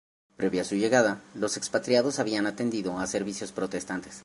Previo a su llegada, los expatriados habían atendido a servicios protestantes.